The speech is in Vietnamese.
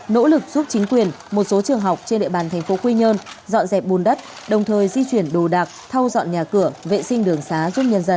nỗ lực giúp chính quyền một số trường học trên địa bàn thành phố quy nhơn dọn dẹp bùn đất đồng thời di chuyển đồ đạc thâu dọn nhà cửa vệ sinh đường xá giúp nhân dân